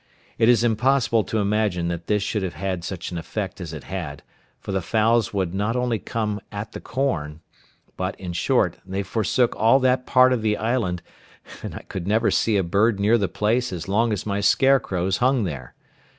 It is impossible to imagine that this should have such an effect as it had, for the fowls would not only not come at the corn, but, in short, they forsook all that part of the island, and I could never see a bird near the place as long as my scarecrows hung there.